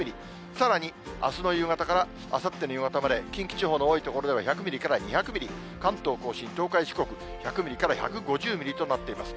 さらにあすの夕方からあさっての夕方まで、近畿地方の多い所では１００ミリから２００ミリ、関東甲信、東海、四国、１００ミリから１５０ミリとなっています。